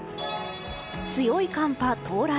強い寒波到来。